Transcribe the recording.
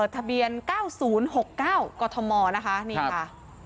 ทะเบียน๙๐๖๙กธมนะคะนี่ค่ะ